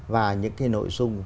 và những cái nội dung